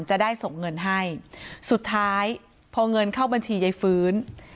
จะได้ส่งเงินให้สุดท้ายพอเงินเข้าบัญชียายฟื้น